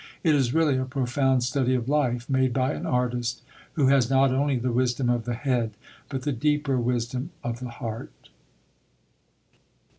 It is really a profound study of life, made by an artist who has not only the wisdom of the head, but the deeper wisdom of the heart.